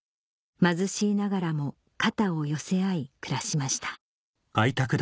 貧しいながらも肩を寄せ合い暮らしました